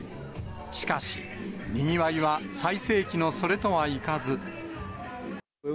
しかし、にぎわいは最盛期のそれとはいかず。